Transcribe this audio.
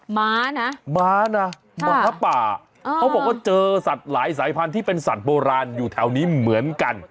ม้านะม้านะม้าป่าเขาบอกว่าเจอสัตว์หลายสายพันธุ์ที่เป็นสัตว์โบราณอยู่แถวนี้เหมือนกัน